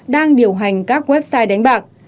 đang điều hành các website đánh bạc